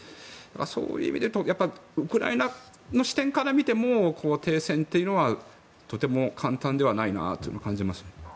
そういう意味でいうとウクライナの視点から見ても停戦というのは、とても簡単ではないなというのを感じます。